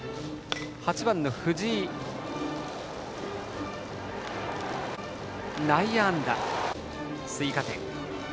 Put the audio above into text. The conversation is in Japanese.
８番の藤井、内野安打で追加点。